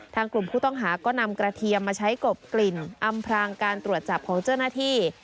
กลุ่มผู้ต้องหาก็นำกระเทียมมาใช้กบกลิ่นอำพรางการตรวจจับของเจ้าหน้าที่